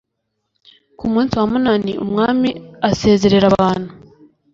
ku munsi wa munani umwami asezerera abantu